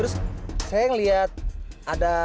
saya lihat ada